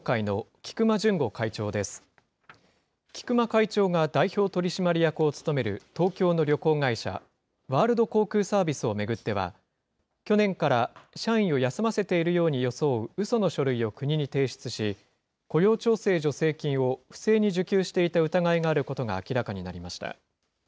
菊間会長が代表取締役を務める東京の旅行会社、ワールド航空サービスを巡っては、去年から社員を休ませているよう装ううその書類を国に提出し、雇用調整助成金を不正に受給していた疑いがあることが明らかになりました。